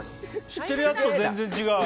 知ってるやつと全然違う。